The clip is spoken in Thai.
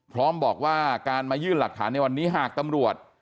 พร้อมบอกว่าการมายื่นหลักฐานในวันนี้หากตำรวจ